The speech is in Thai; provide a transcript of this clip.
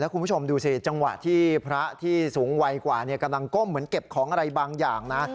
คุณผู้ชมดูสิจังหวะที่พระที่สูงวัยกว่ากำลังก้มเหมือนเก็บของอะไรบางอย่างนะ